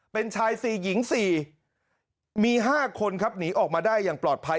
เป็นชาย๔หญิง๔มี๕คนครับหนีออกมาได้อย่างปลอดภัย